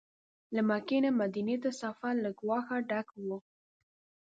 له مکې نه مدینې ته سفر له ګواښه ډک و.